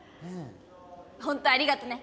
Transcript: ホントありがとね。